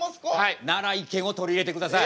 なら意見を取り入れてください。